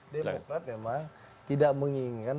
demokrat memang tidak menginginkan